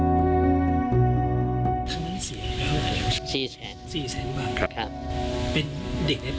มคศสมุนิยารบหลังประมาณ๑นที่๑๐๐๐อาบ